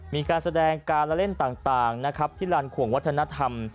มีการแสดงการละเล่นต่างนะครับที่ลานขวงวัฒนธรรม